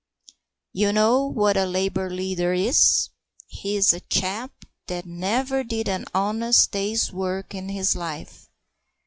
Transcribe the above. You know what a Labour leader is. He's a chap that never did an honest day's work in his life.